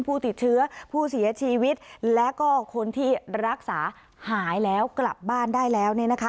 ผู้ติดเชื้อผู้เสียชีวิตและก็คนที่รักษาหายแล้วกลับบ้านได้แล้วเนี่ยนะคะ